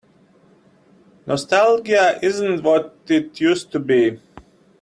Nostalgia isn't what it used to be.